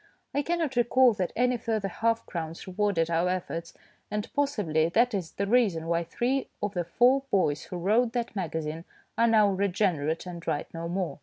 I cannot recall that any further half crowns rewarded our efforts, and possibly that is the reason why three of the four boys who wrote that magazine are now regenerate and write no more.